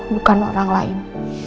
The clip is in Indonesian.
bukan orang lain